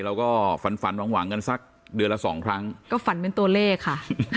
เราก็ฝันฝันหวังกันสักเดือนละสองครั้งก็ฝันเป็นตัวเลขค่ะ